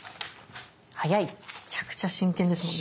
めちゃくちゃ真剣ですもんね。